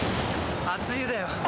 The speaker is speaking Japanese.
熱湯だよ。